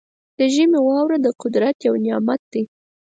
د ژمي واوره د قدرت یو نعمت دی.